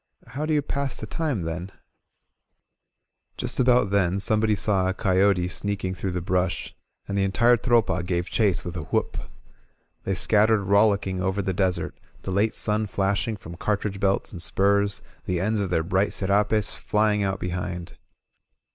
How do you pass the time, then ...?" Just about then somebody saw a coyote sneaking through the brush, and the cfntire Tropa gave chase 40 LA TROPA ON THE MARCH with a whoop. They scattered rollicking over the desert, the late sun flashing from cartridge belts and spurs, the ends of their bright serapes flying out be hind.